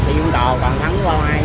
xe vũng tò còn thắng qua ngoài